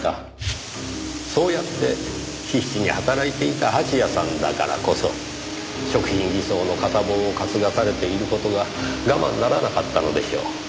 そうやって必死に働いていた蜂矢さんだからこそ食品偽装の片棒を担がされている事が我慢ならなかったのでしょう。